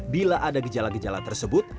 bila ada gejala gejala tersebut